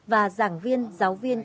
và giảng viên giáo viên